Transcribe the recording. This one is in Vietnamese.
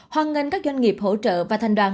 hoàn ngân các doanh nghiệp hỗ trợ và thành đoàn